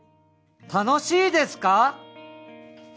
楽しいですか？